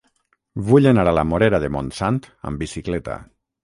Vull anar a la Morera de Montsant amb bicicleta.